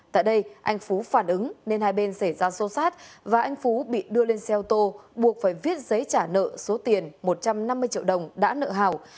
tại đây anh phú phản ứng nên hai bên xảy ra xô xát và anh phú bị đưa lên xe ô tô buộc phải viết giấy trả nợ số tiền một trăm năm mươi triệu đồng đã nợ hào